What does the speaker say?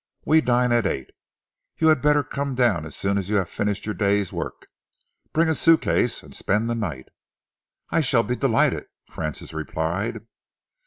We dine at eight. You had better come down as soon as you have finished your day's work. Bring a suitcase and spend the night." "I shall be delighted," Francis replied.